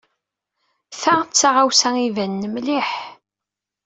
Ta d taɣawsa ibanen mliḥ.